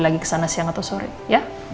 lagi kesana siang atau sore ya